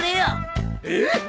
えっ。